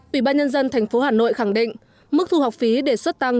ủy ban nhân dân tp hà nội khẳng định mức thu học phí đề xuất tăng